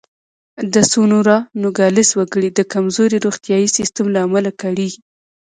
د سونورا نوګالس وګړي د کمزوري روغتیايي سیستم له امله کړېږي.